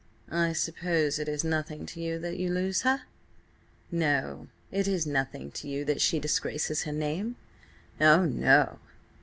"I suppose it is nothing to you that you lose her? No; It is nothing to you that she disgraces her name? Oh, no!"